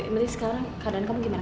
yang penting sekarang keadaan kamu gimana